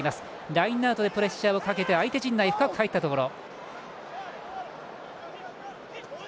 ラインアウトでプレッシャーをかけて相手陣内に深く入ったところ。